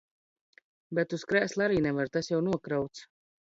Bet uz krēsla arī nevar, tas jau nokrauts.